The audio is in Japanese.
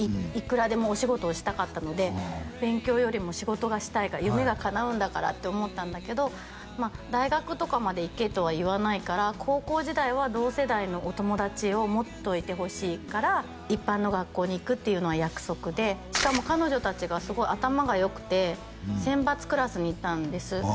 いくらでもお仕事をしたかったので勉強よりも仕事がしたいから夢がかなうんだからって思ったんだけど大学とかまで行けとは言わないから高校時代は同世代のお友達を持っといてほしいから一般の学校に行くっていうのは約束でしかも彼女達がすごい頭が良くて選抜クラスにいたんです